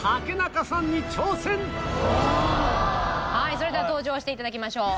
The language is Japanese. それでは登場して頂きましょう。